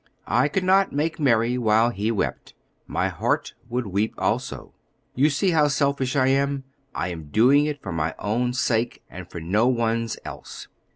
I could not make merry while he wept; my heart would weep also. You see how selfish I am; I am doing it for my own sake, and for no one's else.